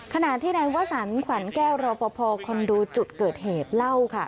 ขณะที่นายวสันขวัญแก้วรอปภคอนโดจุดเกิดเหตุเล่าค่ะ